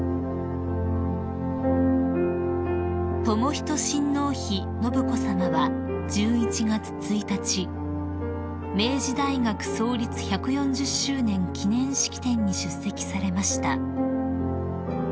［仁親王妃信子さまは１１月１日明治大学創立１４０周年記念式典に出席されました］